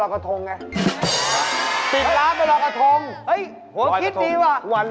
น้ำกระทงเต็มเต็ม